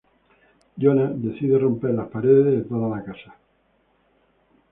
Jonah decide romper las paredes de toda la casa.